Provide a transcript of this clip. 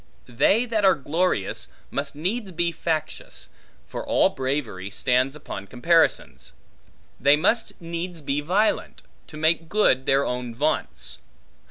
They that are glorious, must needs be factious; for all bravery stands upon comparisons. They must needs be violent, to make good their own vaunts.